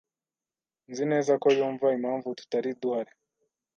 Nzi neza ko yumva impamvu tutari duhari.